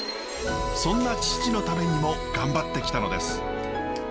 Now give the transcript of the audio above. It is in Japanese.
そんな父のためにも頑張ってきたのです。